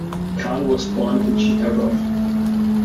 Khan was born in Chittagong.